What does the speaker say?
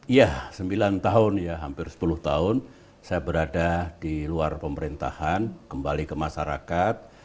iya sembilan tahun ya hampir sepuluh tahun saya berada di luar pemerintahan kembali ke masyarakat